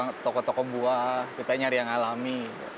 kita toko toko buah kita nyari yang alami